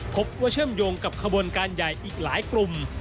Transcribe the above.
เชื่อว่าเชื่อมโยงกับขบวนการใหญ่อีกหลายกลุ่ม